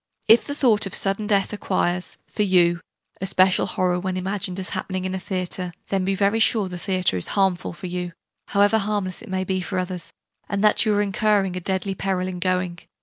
If the thought of sudden death acquires, for you, a special horror when imagined as happening in a theatre, then be very sure the theatre is harmful for you, however harmless it may be for others; and that you are incurring a deadly peril in going.